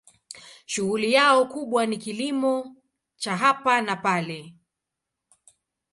Shughuli yao kubwa ni kilimo cha hapa na pale.